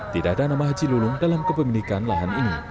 tidak ada nama haji lulung dalam kepemilikan lahan ini